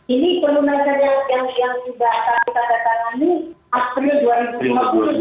ini pelunasan yang sudah kami katakan ini april dua ribu dua puluh